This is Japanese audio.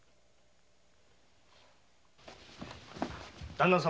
旦那様。